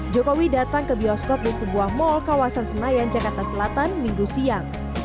jokowi datang ke bioskop di sebuah mal kawasan senayan jakarta selatan minggu siang